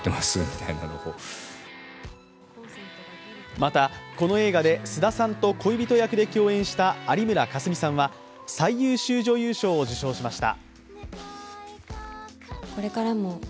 また、この映画で菅田さんと恋人役で共演した有村架純さんは最優秀女優賞を受賞しました。